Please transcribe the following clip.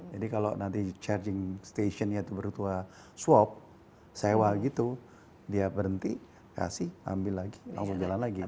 jadi kalau nanti charging stationnya itu berutua swap sewa gitu dia berhenti kasih ambil lagi lalu berjalan lagi